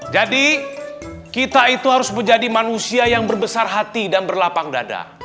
jadi kita itu harus menjadi manusia yang berbesar hati dan berlapang dada